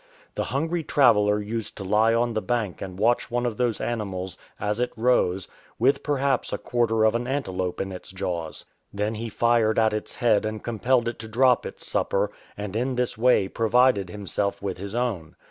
The hungry traveller used to lie on the bank and watch one of those animals as it rose, with perhaps a quarter of an antelope in its jaws. Then he fired at its head and compelled it to drop its supper, and in this way provided himself with his own.